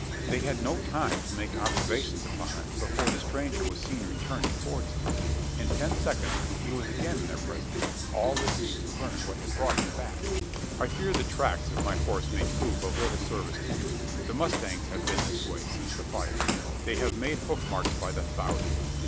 They had no time to make observations upon it, before the stranger was seen returning towards them! In ten seconds he was again in their presence all listening to learn what had brought him back. "I fear the tracks of my horse may prove of little service to you. The mustangs have been this way, since the fire. They have made hoof marks by the thousand.